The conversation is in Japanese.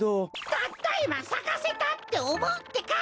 たったいまさかせた！っておもうってか！